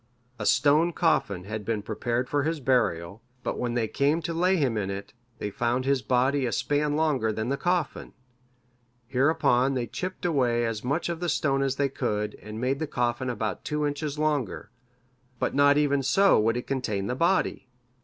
A stone coffin had been prepared for his burial, but when they came to lay him in it, they found his body a span longer than the coffin. Hereupon they chipped away as much of the stone as they could, and made the coffin about two inches longer; but not even so would it contain the body.